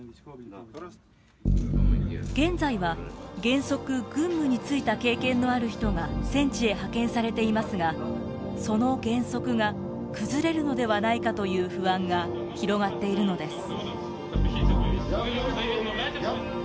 現在は、原則軍務に就いた経験のある人が戦地へ派遣されていますがその原則が崩れるのではないかという不安が広がっているのです。